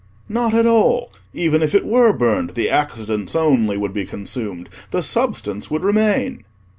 "Not at all: even if it were burned, the Accidents only would be consumed, the Substance would remain."